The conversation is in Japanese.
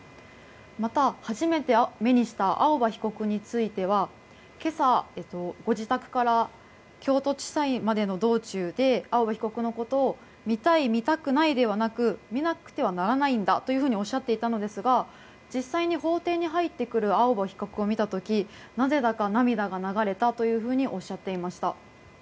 また、初めて目にした青葉被告については今朝、ご自宅から京都地裁までの道中で青葉被告のことを見たい、見たくないではなく見なくてはならないんだとおっしゃっていたのですが実際に法廷に入ってくる青葉被告を見た時、なぜだか涙が流れたというふうにおっしゃっていました。